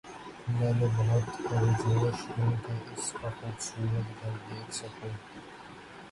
میں بہت پرجوش ہوں کہ اس کا خوبصورت گھر دیکھ سکوں